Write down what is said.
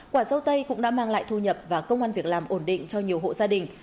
quả dâu tây cũng đã mang lại thu nhập và công an việc làm ổn định cho nhiều hộ gia đình